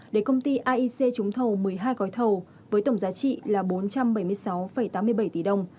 để công ty aic trúng thầu một mươi hai gói thầu với tổng giá trị là bốn trăm bảy mươi sáu tám mươi bảy tỷ đồng